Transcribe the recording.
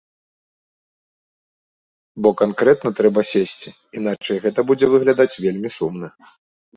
Бо канкрэтна трэба сесці, іначай гэта будзе выглядаць вельмі сумна.